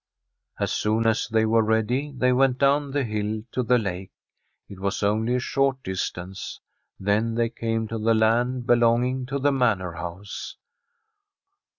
As soon as they were ready, they went down the hill to the lake. It was only a short distance. Then they came to the land belonging to the Manor House.